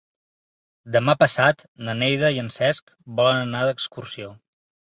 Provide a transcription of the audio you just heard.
Demà passat na Neida i en Cesc volen anar d'excursió.